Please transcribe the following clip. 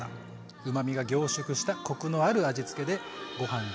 うまみが凝縮したコクのある味付けでご飯が進む炒め物。